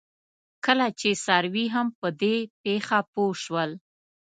لکه چې څاروي هم په دې پېښه پوه شول.